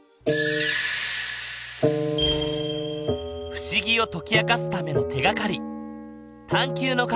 不思議を解き明かすための手がかり